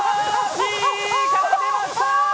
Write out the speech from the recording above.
Ｂから出ました！